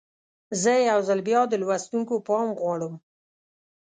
زه یو ځل بیا د لوستونکو پام غواړم.